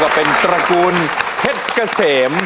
สมกับเป็นตระกูลเฮ็ดเกษม